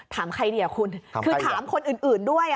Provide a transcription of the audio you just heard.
ถามใครดีคุณคือถามคนอื่นด้วย